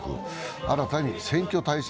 新たな選挙対策